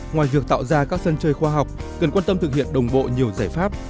ngoài việc tạo ra các sân chơi khoa học cần quan tâm thực hiện đồng bộ nhiều giải pháp